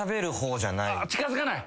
近づかない？